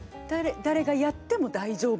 誰がやっても大丈夫。